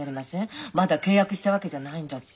まだ契約したわけじゃないんだし。